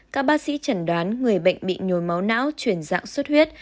các bác sĩ trần đoán người bệnh bị nhồi máu não chuyển dạng suất huyết